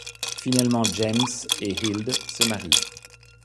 Finalement James et Hilde se marient.